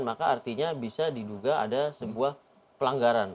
maka artinya bisa diduga ada sebuah pelanggaran